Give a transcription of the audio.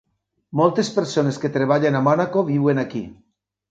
Moltes persones que treballen a Mònaco viuen aquí.